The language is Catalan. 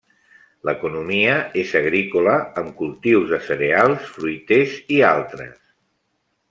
L'economia és agrícola amb cultius de cereals, fruiters i altres.